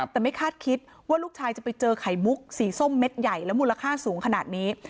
แต่ไม่คาดคิดว่าลูกชายจะไปเจอไข่มุกสีส้มเม็ดใหญ่แล้วมูลค่าสูงขนาดนี้